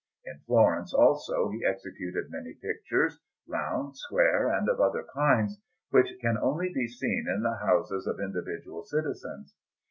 In Florence, also, he executed many pictures, round, square, and of other kinds, which can only be seen in the houses of individual citizens.